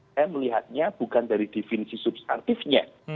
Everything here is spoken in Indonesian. saya melihatnya bukan dari definisi substantifnya